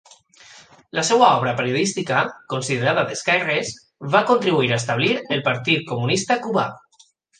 La seva obra periodística, considerada d'esquerres, va contribuir a establir el partit comunista cubà.